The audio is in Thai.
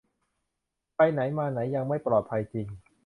ไปไหนมาไหนยังไม่ปลอดภัยจริง